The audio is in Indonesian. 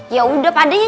ya udah padenya